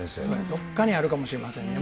どっかにあるかもしれませんね。